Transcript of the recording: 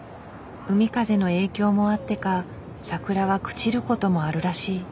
海風の影響もあってか桜は朽ちることもあるらしい。